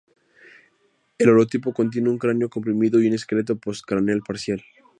El holotipo contiene un cráneo comprimido y un esqueleto postcraneal parcial.